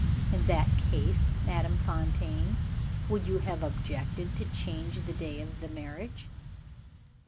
"In that case, Madame Fontaine, would you have objected to change the day of the marriage?"